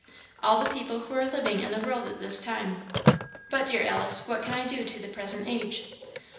"All the people who are living in the world at this time." "But, dear Alice, what can I do to the present age?"